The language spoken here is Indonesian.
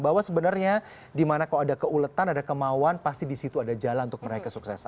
bahwa sebenarnya di mana kalau ada keuletan ada kemauan pasti di situ ada jalan untuk mereka sukses